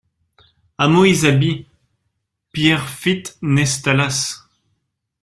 Hameau Isaby, Pierrefitte-Nestalas